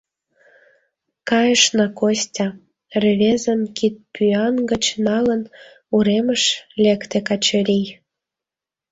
Кайышна, Костя! — рвезым кидпӱан гыч налын, уремыш лекте Качырий.